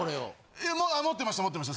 いやもう持ってました持ってました。